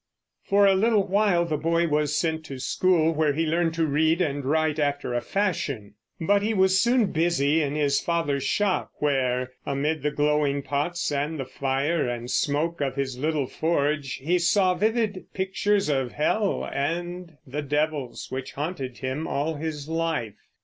For a little while the boy was sent to school, where he learned to read and write after a fashion; but he was soon busy in his father's shop, where, amid the glowing pots and the fire and smoke of his little forge, he saw vivid pictures of hell and the devils which haunted him all his life.